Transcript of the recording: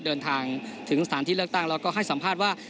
เดินทางถึงสถานที่เลือกตั้งแล้วก็ให้สัมภาษณ์ว่า